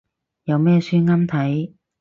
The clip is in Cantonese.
有咩書啱睇